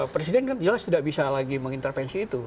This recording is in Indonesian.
presiden kan jelas tidak bisa lagi mengintervensi itu